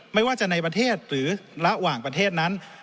ไม่ว่าจะในประเทศหรือระหว่างประเทศนั้น